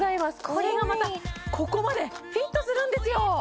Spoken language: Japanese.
これがまたここまでフィットするんですよ